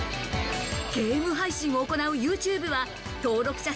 ゲーム配信を行うＹｏｕＴｕｂｅは登録者